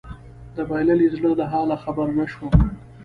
د بايللي زړه له حاله خبر نه شوم